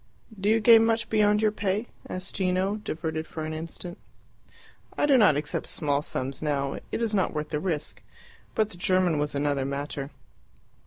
"Do you gain much beyond your pay?" asked Gino, diverted for an instant. "I do not accept small sums now. It is not worth the risk. But the German was another matter.